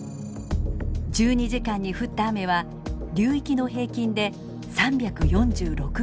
１２時間に降った雨は流域の平均で３４６ｍｍ。